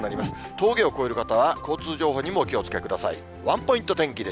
峠を越える方は交通情報にもお気をつけください。